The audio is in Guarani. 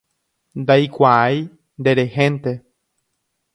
Ndaikuaái, nderehénte.